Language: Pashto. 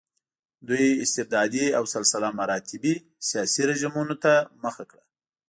دوی استبدادي او سلسله مراتبي سیاسي رژیمونو ته مخه کړه.